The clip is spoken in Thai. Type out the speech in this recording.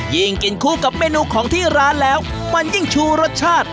ยิ่งกินคู่กับเมนูของที่ร้านแล้วมันยิ่งชูรสชาติ